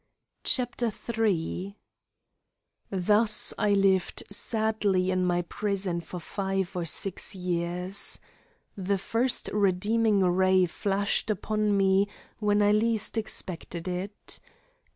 CHAPTER III Thus I lived sadly in my prison for five or six years. The first redeeming ray flashed upon me when I least expected it.